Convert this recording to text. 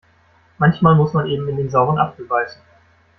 Manchmal muss man eben in den sauren Apfel beißen.